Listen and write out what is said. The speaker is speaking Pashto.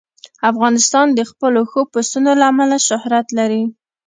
افغانستان د خپلو ښو پسونو له امله شهرت لري.